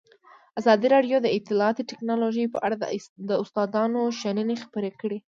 ازادي راډیو د اطلاعاتی تکنالوژي په اړه د استادانو شننې خپرې کړي.